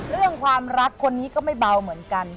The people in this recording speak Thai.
เรื่องความรักคนนี้ก็ไม่เบาเหมือนกัน